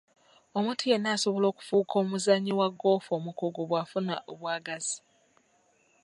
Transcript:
Omuntu yenna asobola okufuuka omuzannyi wa ggoofu omukugu bw'afuna obwagazi.